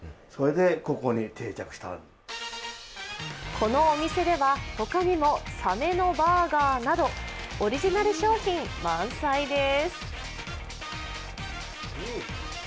このお店では他にもさめのバーガーなどオリジナル商品満載です。